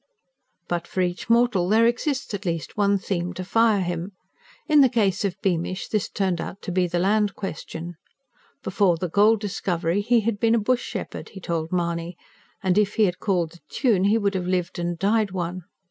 But for each mortal there exists at least one theme to fire him. In the case of Beamish this turned out to be the Land Question. Before the gold discovery he had been a bush shepherd, he told Mahony, and, if he had called the tune, he would have lived and died one.